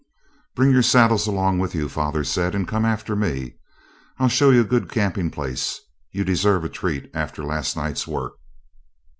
'Bring your saddles along with you,' father said, 'and come after me. I'll show you a good camping place. You deserve a treat after last night's work.'